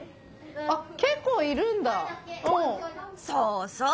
そうそう。